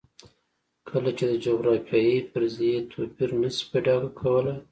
کله چې د جغرافیې فرضیه توپیر نه شي په ډاګه کولی.